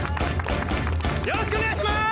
よろしくお願いします！